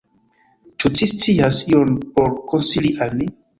Ĉu ci scias ion por konsili al ni?